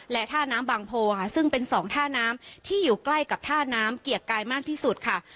และท่าน้ำบางโพค่ะซึ่งเป็นสองท่าน้ำที่อยู่ใกล้กับท่าน้ำเกียรติกายมากที่สุดค่ะ